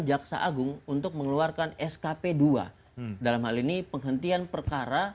jaksa agung untuk mengeluarkan skp dua dalam hal ini penghentian perkara